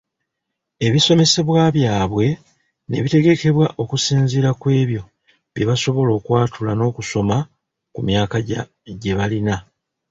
Ebisomesebwa byabwe ne bitegekebwa okusinziira ku ebyo bye basobola okwatula n’okusoma ku myaka gye balina.